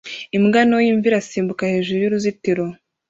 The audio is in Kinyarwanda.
Imbwa ntoya imvi irasimbuka hejuru y'uruzitiro